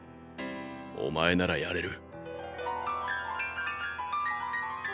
お前ならやれる！